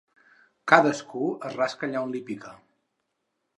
Cadascú es rasca allà on li pica.